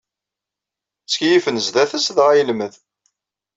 Ttkiyyifen zdat-s dɣa yelmed.